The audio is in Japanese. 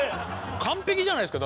完璧じゃないですか。